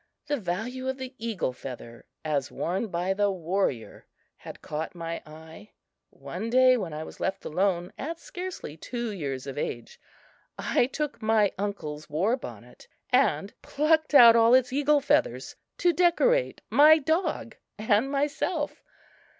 The value of the eagle feather as worn by the warrior had caught my eye. One day, when I was left alone, at scarcely two years of age, I took my uncle's war bonnet and plucked out all its eagle feathers to decorate my dog and myself.